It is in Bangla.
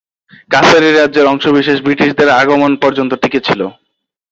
কাছাড়ি রাজ্যের অংশবিশেষ ব্রিটিশদের আগমন পর্যন্ত টিকে ছিল।